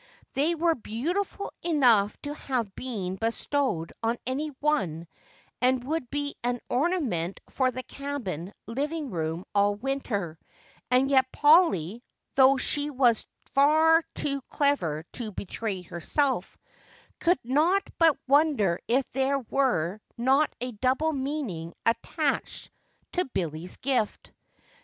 They were beautiful enough to have been bestowed on any one and would be an ornament for the cabin living room all winter, and yet Polly, though she was far too clever to betray herself, could not but wonder if there were not a double meaning attached to Billy's gift.